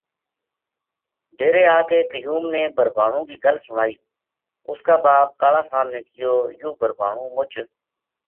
ڈیرے آ کے قیو م نے بھربھانو کی گل سنائی اس کا باپ کالا خان نے کہیو یوہ بھربھانو مُچ